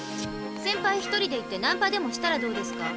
センパイ一人で行ってナンパでもしたらどうですか？